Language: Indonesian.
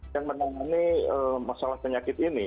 yang menangani masalah penyakit ini